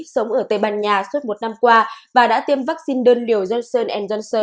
sống ở tây ban nha suốt một năm qua và đã tiêm vaccine đơn liều johnson johnson